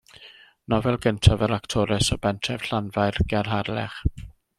Nofel gyntaf yr actores o bentref Llanfair ger Harlech.